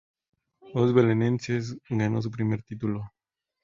Os Belenenses ganó su primer título.